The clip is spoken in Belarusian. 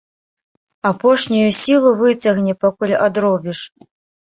Апошнюю сілу выцягне, пакуль адробіш.